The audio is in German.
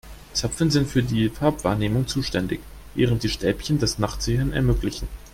Zapfen sind für die Farbwahrnehmung zuständig, während die Stäbchen das Nachtsehen ermöglichen.